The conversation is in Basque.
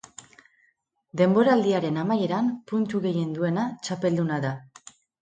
Denboraldiaren amaieran puntu gehien duena txapelduna da.